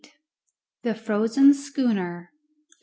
THE FROZEN SCHOONER.